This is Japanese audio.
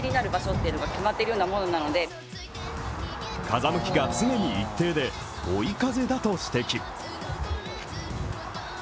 風向きが常に一定で、追い風だと指摘。